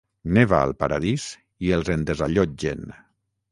Neva al paradís i els en desallotgen.